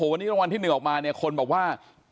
วันนี้รางวัลที่๑ออกมาเนี่ยคนบอกว่า